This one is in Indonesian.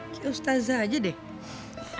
ke ustazah aja deh